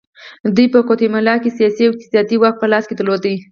دوی په ګواتیمالا کې سیاسي او اقتصادي واک په لاس کې درلود.